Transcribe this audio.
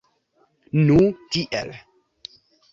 Nu tiel.